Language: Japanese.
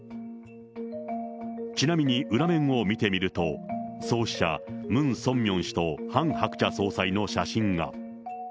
ちなみに裏面を見てみると、創始者、ムン・ソンミョン氏とハン・ハクチャ総裁の写真が。